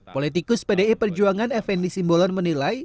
politikus pdi perjuangan fn di simbolon menilai